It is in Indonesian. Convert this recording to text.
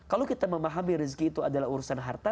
kalau kita memahami rezeki itu adalah urusan harta